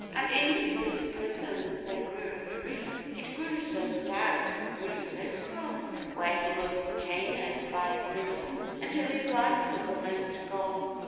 And in this prison there grew a tree, It grew so stout, and grew so strong; Where he was chainèd by the middle, Until his life was almost gone.